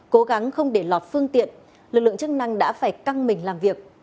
cố gắng không để lọt phương tiện lực lượng chức năng đã phải căng mình làm việc